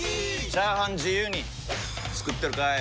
チャーハン自由に作ってるかい！？